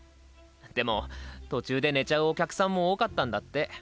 でも途中で寝ちゃうお客さんも多かったんだって。